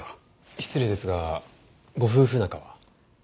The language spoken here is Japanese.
失礼ですがご夫婦仲は？